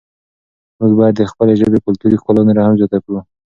موږ باید د خپلې ژبې کلتوري ښکلا نوره هم زیاته کړو.